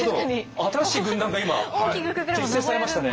新しい軍団が今結成されましたね。